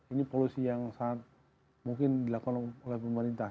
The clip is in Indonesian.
ini polusi yang sangat mungkin dilakukan oleh pemerintah